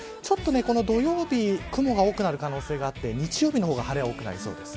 土曜日、雲が多くなる可能性があって日曜日の方が晴れが多くなりそうです。